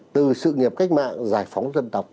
từ sự nghiệp cách mạng giải phóng dân tộc